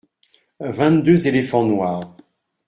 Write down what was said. Vingt-deux éléphants noirs.